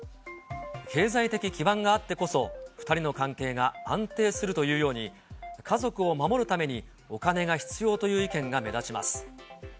経済的基盤があってこそ、２人の関係が安定するというように、家族を守るために、お金が必要という意見が目立ちます。